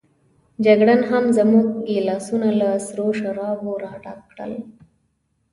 جګړن هم زموږ ګیلاسونه له سرو شرابو راډک کړل.